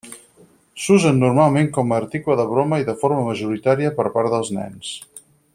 S'usen normalment com a article de broma i de forma majoritària per part dels nens.